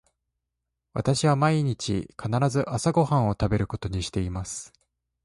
私は毎日必ず朝ご飯を食べることにしています。